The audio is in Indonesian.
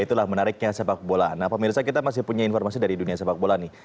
itulah menariknya sepak bola nah pemirsa kita masih punya informasi dari dunia sepak bola nih